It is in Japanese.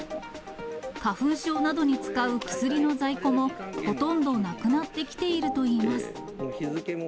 花粉症などに使う薬の在庫も、ほとんどなくなってきているとい